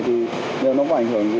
thì nó có ảnh hưởng gì